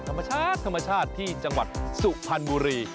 ธรรมชาติธรรมชาติที่จังหวัดสุพรรณบุรี